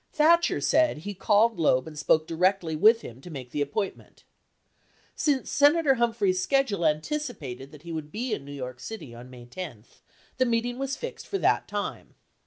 Thatcher said he called Loeb and spoke directly with him to make the appointment. Since Senator Humphrey's sched ule anticipated that he would be in New York City on May 10, the meeting was fixed for that time.